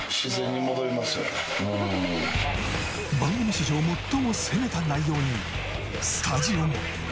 番組史上最も攻めた内容にスタジオも。